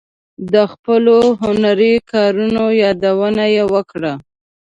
د خپلو هنري کارونو یادونه یې وکړه.